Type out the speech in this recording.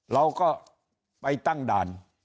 เราก็ไปตั้งด่าน